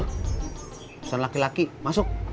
pesan laki laki masuk